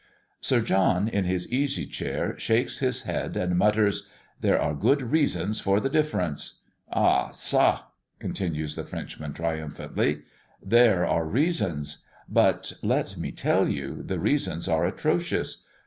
Sir John, in his easy chair, shakes his head and mutters, "There are good reasons for the difference." "Ah ça," continues the Frenchman triumphantly, "there are reasons; but, let me tell you, the reasons are atrocious!